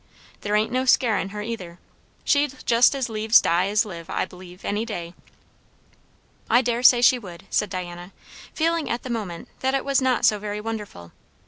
There ain't no scarin' her, either; she'd jest as lieves die as live, I b'lieve, any day." "I daresay she would," said Diana, feeling at the moment that it was not so very wonderful.